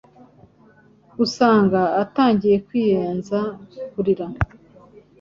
usanga atangiye kwiyenza, kurira